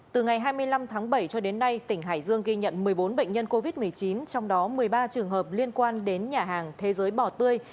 từ ngày hai mươi năm tháng bảy cho đến nay tỉnh hải dương ghi nhận một mươi bốn bệnh nhân covid một mươi chín trong đó một mươi ba trường hợp liên quan đến nhà hàng thế giới bò tươi